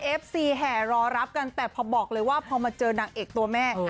เอฟซีแห่รอรับกันแต่พอบอกเลยว่าพอมาเจอนางเอกตัวแม่